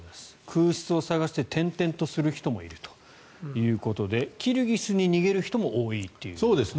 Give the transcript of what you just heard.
空室を探して転々とする人もいるということでキルギスに逃げる人も多いと。